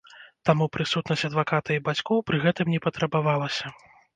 Таму прысутнасць адваката і бацькоў пры гэтым не патрабавалася.